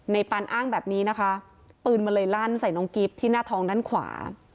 ปันอ้างแบบนี้นะคะปืนมันเลยลั่นใส่น้องกิฟต์ที่หน้าท้องด้านขวา